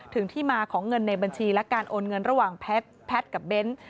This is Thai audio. ที่มาของเงินในบัญชีและการโอนเงินระหว่างแพทย์กับเบ้น